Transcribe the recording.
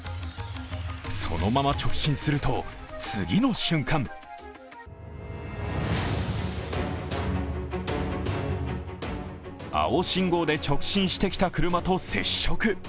そのまま直進すると、次の瞬間青信号で直進してきた車と接触。